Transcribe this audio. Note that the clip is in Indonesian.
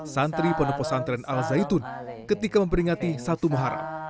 santri peneposantren al zaitun ketika memperingati satu muharam